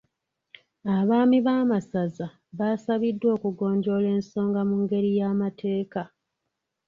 Abaami b'amasaza baasabiddwa okugonjoola ensonga mu ngeri y’amateeka.